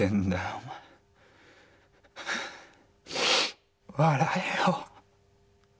お前笑えよ